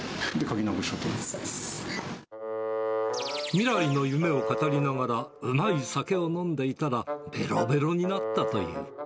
未来の夢を語りながら、うまい酒を飲んでいたら、べろべろになったという。